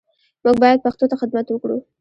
موږ باید پښتو ته خدمت وکړو